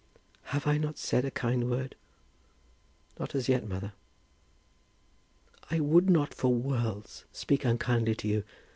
"Have I not said a kind word?" "Not as yet, mother." "I would not for worlds speak unkindly to you.